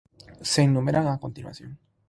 Se enumeran a continuación.